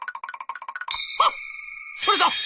「はっ！それだ！